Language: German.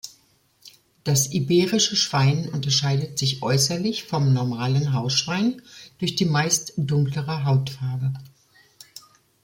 Das iberische Schwein unterscheidet sich äußerlich vom normalen Hausschwein durch die meist dunklere Hautfarbe.